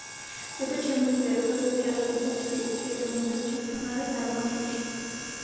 დედა ჩემი მზეა ცაზე ფერადი და თბილი დედა მუდამ ჩემთან არის არ მაქ შიში